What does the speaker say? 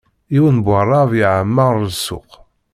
Yiwen n waɛrab yeɛmeṛ ssuq.